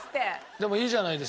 でもいいじゃないです